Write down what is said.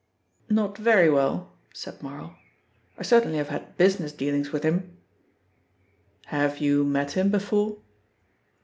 "Not very well," said Marl. "I certainly have had business dealings with him." "Have you met him before?"